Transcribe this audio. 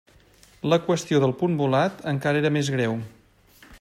La qüestió del punt volat encara era més greu.